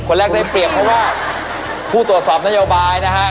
แรกได้เปรียบเพราะว่าผู้ตรวจสอบนโยบายนะฮะ